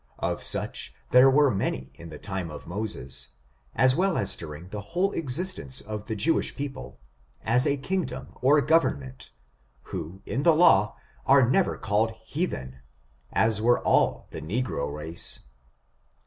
Of such there were many in the time of Moses, as well as during the whole existence of the Jew ish people, as a kingdom or government, who, in the law, are never called heathen, as were all the negro race.